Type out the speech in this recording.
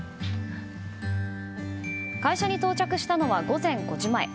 会社に到着したのは午前５時前。